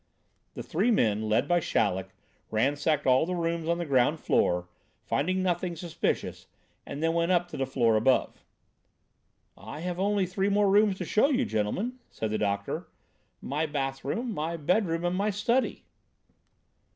The three men, led by Chaleck, ransacked all the rooms on the ground floor; finding nothing suspicious, they then went up to the floor above. "I have only three more rooms to show you, gentlemen," said the doctor. "My bathroom, my bedroom and my study."